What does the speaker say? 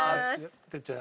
哲ちゃん